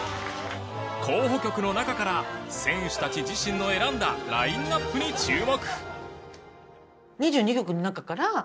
候補曲の中から選手たち自身の選んだラインアップに注目